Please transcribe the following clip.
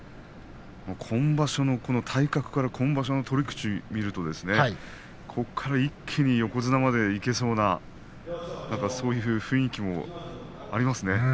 今場所のこの体格から今場所の取り口を見るとここから一気に横綱までいけそうなそういう雰囲気もありますね。